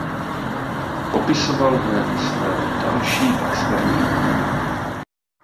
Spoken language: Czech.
Popisoval ho jako své další externí oko.